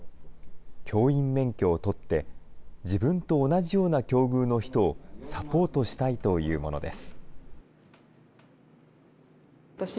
教員免許を取って自分と同じような境遇の人をサポートしたいというものです。